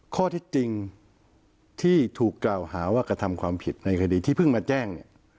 ข้อที่จริงที่ถูกกล่าวหาว่ากระทำความผิดในคดีที่เพิ่งมาแจ้งเนี่ย